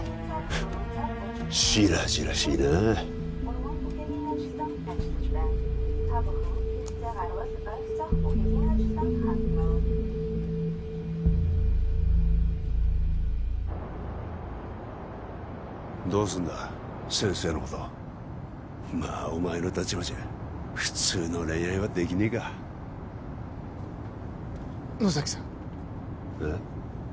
フッ白々しいなどうすんだ先生のことまあお前の立場じゃ普通の恋愛はできねえか野崎さんえっ？